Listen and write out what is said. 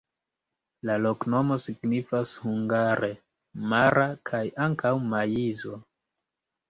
La loknomo signifas hungare: mara kaj ankaŭ maizo.